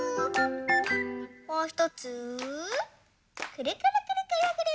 もうひとつくるくるくるくるくる。